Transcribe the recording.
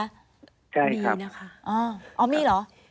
ใช่ครับมีนะคะอ๋อมีหรือ